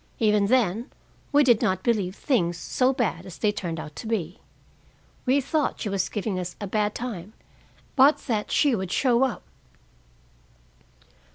Even then, we did not believe things so bad as they turned out to be. We thought she was giving us a bad time, but that she would show up.